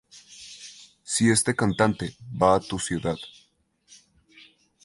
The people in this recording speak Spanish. Si este cantante va a tu ciudad